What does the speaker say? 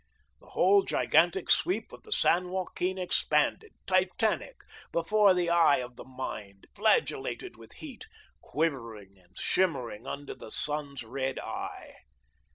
The whole gigantic sweep of the San Joaquin expanded, Titanic, before the eye of the mind, flagellated with heat, quivering and shimmering under the sun's red eye.